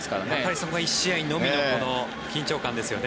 そこが１試合のみの緊張感ですよね。